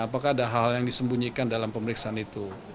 apakah ada hal hal yang disembunyikan dalam pemeriksaan itu